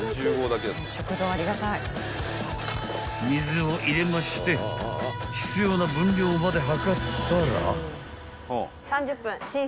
［水を入れまして必要な分量まで量ったら］